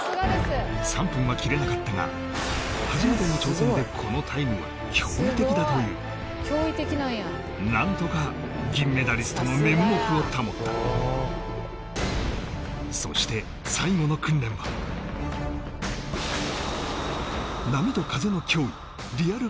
３分は切れなかったが初めての挑戦でこのタイムは驚異的だという何とか銀メダリストの面目を保ったそして最後の訓練は波と風の脅威リアル